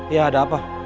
ya ada apa